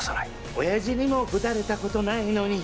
おやじにもぶたれたことないのに！